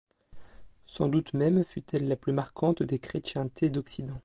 Sans doute même fut-elle la plus marquante des chrétientés d'Occident.